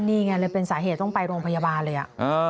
นี่ไงเลยเป็นสาเหตุต้องไปโรงพยาบาลเลย